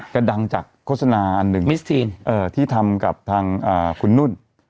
จะดังจากโฆษณาอันหนึ่งที่ทำกับทางคุณนุ่น